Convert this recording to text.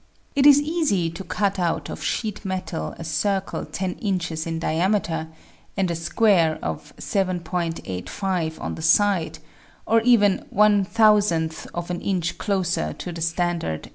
It is easy to cut out of sheet metal a circle 10 inches in diameter, and a square of 7.85 on the side, or even one thousandth of an inch closer to the standard 7.